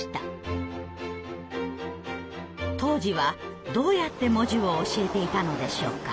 当時はどうやって文字を教えていたのでしょうか？